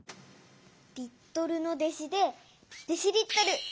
リットルの弟子でデシリットル。